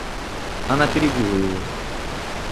Она перебила его.